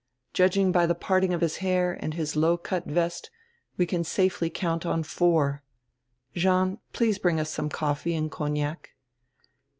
Judging by die parting of his hair and his low cut vest we can safely count on four —Jean, please bring us some coffee and cognac."